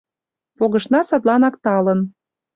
Погышна садланак талын